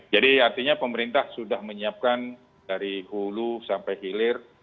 jadi artinya pemerintah sudah menyiapkan dari hulu sampai hilir